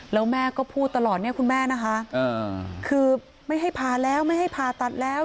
แล้วแม่ก็พูดตลอดเนี่ยคุณแม่นะคะคือไม่ให้ผ่าแล้วไม่ให้ผ่าตัดแล้ว